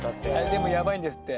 でもヤバいんですって。